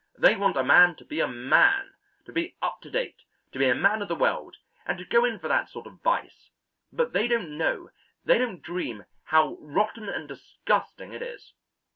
They want a man to be a man, to be up to date, to be a man of the world and to go in for that sort of vice, but they don't know, they don't dream, how rotten and disgusting it is.